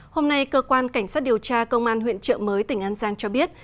hôm nay cơ quan cảnh sát điều tra công an huyện trợ mới tỉnh an giang cho biết